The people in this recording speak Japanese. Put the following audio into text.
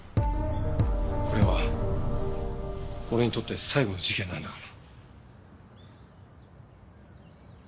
これは俺にとって最後の事件なんだから。